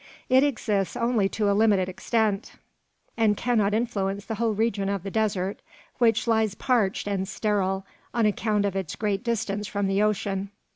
It exists only to a limited extent, and cannot influence the whole region of the desert, which lies parched and sterile, on account of its great distance from the ocean."